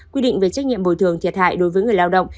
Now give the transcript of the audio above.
quy định về trách nhiệm bồi thường thiệt hại đối với người lao động